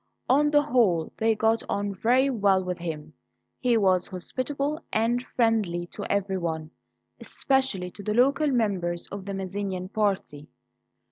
On the whole they got on very well with him. He was hospitable and friendly to everyone, especially to the local members of the Mazzinian party.